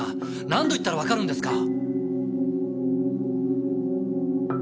何度言ったらわかるんですか！